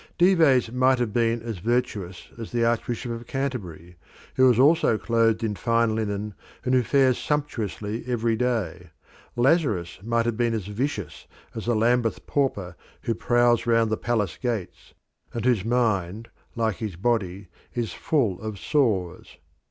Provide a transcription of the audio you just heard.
Dives might have been as virtuous as the Archbishop of Canterbury, who is also clothed in fine linen and who fares sumptuously every day; Lazarus might have been as vicious as the Lambeth pauper who prowls round the palace gates, and whose mind, like his body, is full of sores.